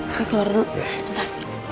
oke keluar dulu sebentar